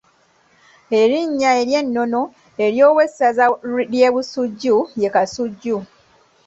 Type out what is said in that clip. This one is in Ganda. Erinnya ery’ennono ery’owessaza ly’e Busujju ye Kasujju.